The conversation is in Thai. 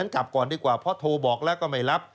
กลับก่อนดีกว่าเพราะโทรบอกแล้วก็ไม่รับ